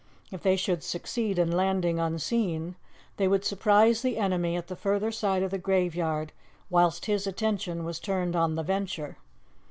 If they should succeed in landing unseen, they would surprise the enemy at the further side of the graveyard whilst his attention was turned on the Venture.